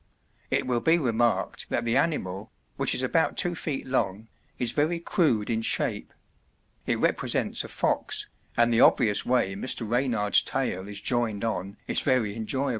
It will be remarked that the animal, which is about 2 ft. long, is very crude in shape; it represents a fox, and the obvious way Mr. Reynard's tail is joined on is very enjoyable.